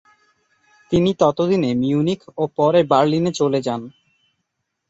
তিনি ততদিনে মিউনিখ ও পরে বার্লিনে চলে যান।